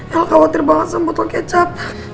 el khawatir banget sama botol kecap